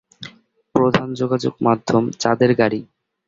প্রধান যোগাযোগ মাধ্যম চাঁদের গাড়ি।